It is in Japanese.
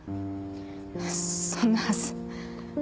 そんなはず。